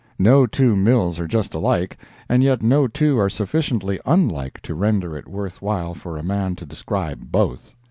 No two mills are just alike, and yet no two are sufficiently unlike to render it worthwhile for a man to describe both.